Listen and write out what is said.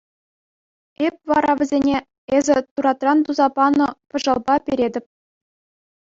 Эп вара вӗсене эсӗ туратран туса панӑ пӑшалпа перетӗп.